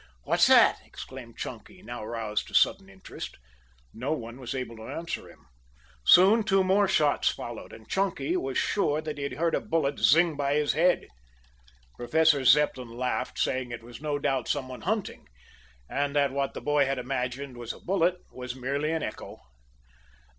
"What's that?" exclaimed Chunky, now aroused to sudden interest. No one was able to answer him. Soon two more shots followed, and Chunky; was sure that he heard a bullet sing by his head. Professor Zepplin laughed, saying it was no doubt some one hunting, and that what the boy had imagined was a bullet was merely an echo.